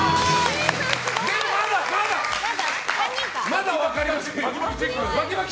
まだ分かりませんよ！